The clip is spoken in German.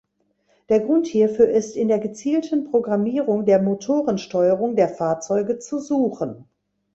Der Grund hierfür ist in der gezielten Programmierung der Motorensteuerung der Fahrzeuge zu suchen.